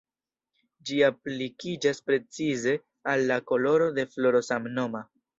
Ĝi aplikiĝas precize al la koloro de floro samnoma.